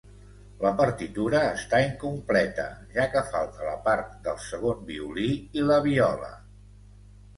La partitura està incompleta, ja que falta la part del segon violí i la viola.